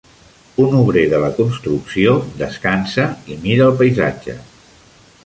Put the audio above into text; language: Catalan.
Un obrer de la construcció descansa i mira el paisatge.